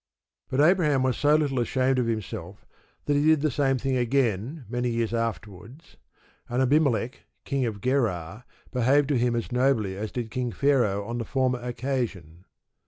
But Abraham was so little ashamed of himself that he did the same thing again, many years afterwards, and Abimelech King of Gerar, behaved to him as nobly as did King Pharaoh on the former occasion.